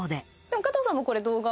加藤さんもこれ動画。